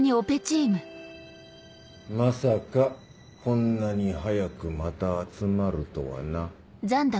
まさかこんなに早くまた集まるとはな。